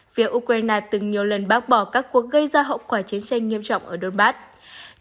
phía ukraine từng nhiều lần bác bỏ các cuộc gây ra hậu quả chiến tranh nghiêm trọng ở donbat